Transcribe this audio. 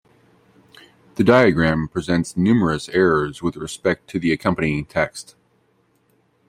The diagram presents numerous errors with respect to the accompanying text.